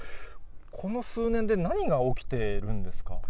この数年で何が起きているんですか。